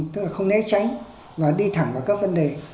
tức là không né tránh và đi thẳng vào các vấn đề